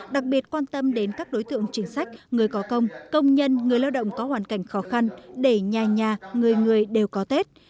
đặc biệt quan tâm đến các đối tượng chính sách người có công công nhân người lao động có hoàn cảnh khó khăn để nhà nhà người người đều có tết